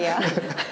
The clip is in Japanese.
ハハハ！